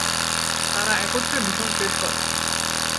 তারা একত্রে মিশন শেষ করে।